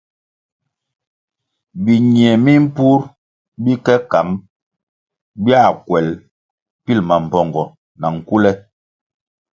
Biñie mimpur bi ke kăng bia kuel bil mambpongo na nkule.